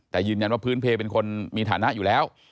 แต่ยืนยันว่าพื้นเพลเป็นคนมีฐานะอยู่แล้ว